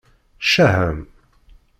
Ccah-am!